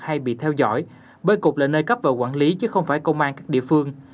hay bị theo dõi bởi cục là nơi cấp và quản lý chứ không phải công an các địa phương